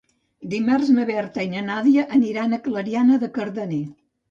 Dimarts na Berta i na Nàdia aniran a Clariana de Cardener.